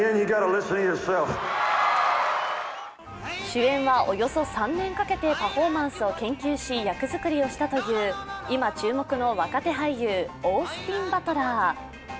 主演は、およそ３年かけてパフォーマンスを研究し役作りをしたという今注目の若手俳優、オースティン・バトラー。